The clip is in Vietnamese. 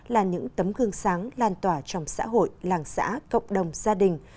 là những tấm gương sáng lan tỏa trong xã hội làng xã cộng đồng gia đình